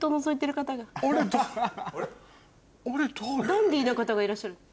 ダンディーな方がいらっしゃる。